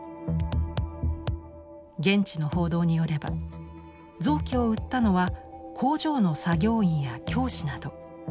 現地の報道によれば臓器を売ったのは工場の作業員や教師など。